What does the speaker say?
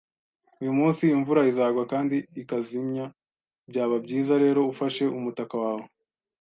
Uyu munsi imvura izagwa kandi ikazimya, byaba byiza rero ufashe umutaka wawe